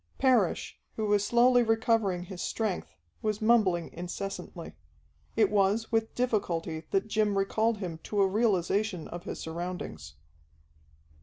Parrish, who was slowly recovering his strength, was mumbling incessantly. It was with difficulty that Jim recalled him to a realization of his surroundings.